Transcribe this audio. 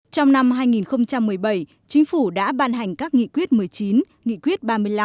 trong năm hai nghìn một mươi bảy chính phủ đã ban hành các nghị quyết một mươi chín nghị quyết ba mươi năm